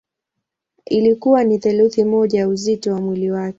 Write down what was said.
Ilikuwa ni theluthi moja ya uzito wa mwili wake.